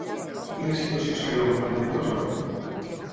A quina situació s'hagué d'enfrontar en tornar?